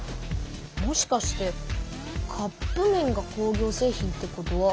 もしかしてカップめんが工業製品ってことは。